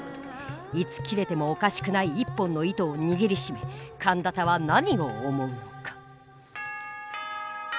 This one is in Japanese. いつ切れてもおかしくない１本の糸を握りしめ陀多は何を思うのか？